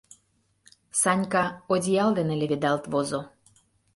Санька одеял дене леведалт возо.